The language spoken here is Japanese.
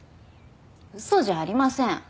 嘘じゃありません。